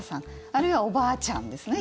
あるいは、おばあちゃんですね。